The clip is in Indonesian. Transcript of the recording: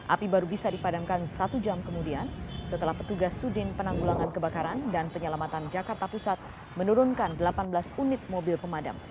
api baru bisa dipadamkan satu jam kemudian setelah petugas sudin penanggulangan kebakaran dan penyelamatan jakarta pusat menurunkan delapan belas unit mobil pemadam